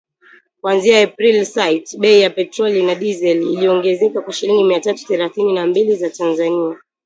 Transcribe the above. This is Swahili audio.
kuanzia Aprili sita bei ya petroli na dizeli iliongezeka kwa shilingi mia tatu thelathini na mbili za Tanzania